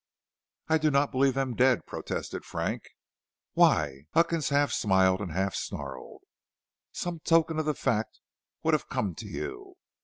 "I do not believe them dead," protested Frank. "Why?" Huckins half smiled, half snarled. "Some token of the fact would have come to you.